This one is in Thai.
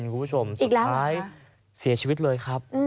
คุณผู้ชมสุดท้ายเสียชีวิตเลยครับ